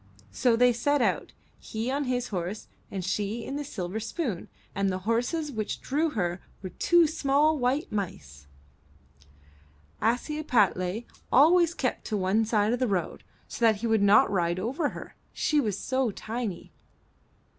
So they set out, he on his horse and she in the silver spoon, and the horses which drew her were two small white mice. Ashiepattle always kept to one side of the road, 162 UP ONE PAIR OF STAIRS SO that he would not ride over her; she was so tiny.